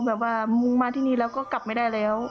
แบบว่ามุ่งมาที่นี่แล้วก็กลับไม่ได้แล้ว